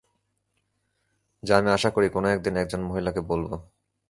যা আমি আশা করি কোন এক দিন একজন মহিলাকে বলব।